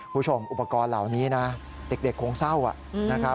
ผู้ชมอุปกรณ์เหล่านี้นะเด็กคงเศร้าอ่ะนะครับ